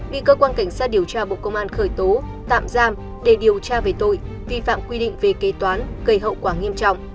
bị cơ quan cảnh sát điều tra bộ công an khởi tố tạm giam để điều tra về tội vi phạm quy định về kế toán gây hậu quả nghiêm trọng